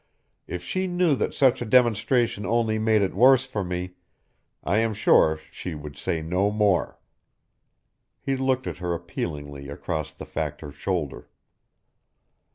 If she knew that such a demonstration only made it worse for me I am sure she would say no more." He looked at her appealingly across the Factor's shoulder.